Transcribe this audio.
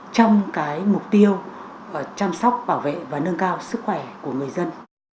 trong cái mục tiêu chăm sóc bảo vệ và nâng cao sức khỏe của người dân